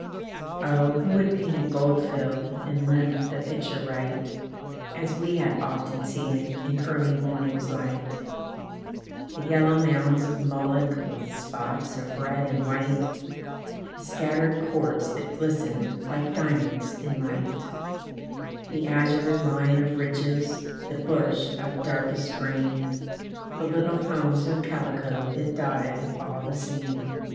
Oh, who would paint a goldfield, And limn the picture right, As we have often seen it In early morning's light; The yellow mounds of mullock With spots of red and white, The scattered quartz that glistened Like diamonds in light; The azure line of ridges, The bush of darkest green, The little homes of calico That dotted all the scene.